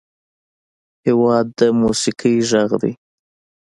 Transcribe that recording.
هېواد د موسیقۍ غږ دی.